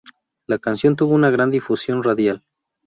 La canción tuvo una gran difusión radial.